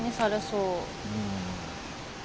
うん。